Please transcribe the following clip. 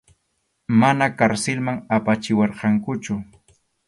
Mana karsilman apachiwarqankuchu.